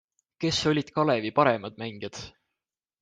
Kes olid Kalevi paremad mängijad?